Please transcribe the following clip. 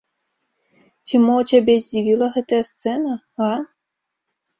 Ці мо цябе здзівіла гэтая сцэна, га?